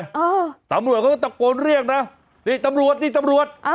เออตำรวจเขาก็ตะโกนเรียกนะนี่ตำรวจนี่ตำรวจอ่า